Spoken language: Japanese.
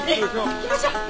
行きましょう。